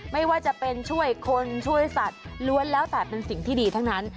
ไม่ว่าจะเป็นช่วยคนช่วยสัตว์ล้วนแล้วแต่เป็นสิ่งที่ดีทั้งนั้น